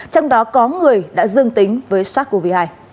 trong đó có người đã dương tính với sars cov hai